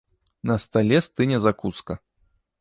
На стале стыне закуска.